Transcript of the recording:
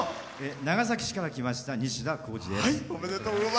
長崎市から来ましたにしだです。